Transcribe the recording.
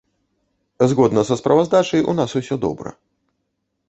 Згодна са справаздачай, у нас усё добра.